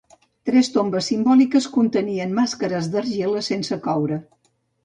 Tres tombes simbòliques contenien màscares d'argila sense coure.